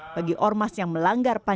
bagi ormas yang melanggar pancasila